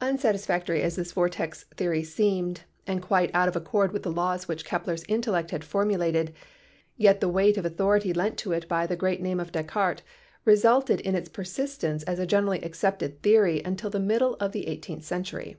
Unsatisfactory as this vortex theory seemed and quite out of accord with the laws which Kepler's intellect had formulated, yet the weight of authority lent to it by the great name of Descartes resulted in its persistence as a generally accepted theory until the middle of the eight eenth century.